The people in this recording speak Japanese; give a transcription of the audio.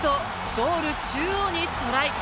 ゴール中央にトライ。